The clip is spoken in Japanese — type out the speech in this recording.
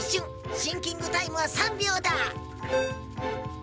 シンキングタイムは３びょうだ！